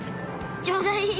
ちょうどいい！